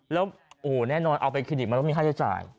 แล้วโอ้โหแน่นอนเอาไปคลินิกมันต้องมีค่าใช้จ่าย